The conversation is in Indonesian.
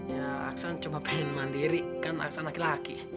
ya aksan cuma pengen mandiri kan aksan laki laki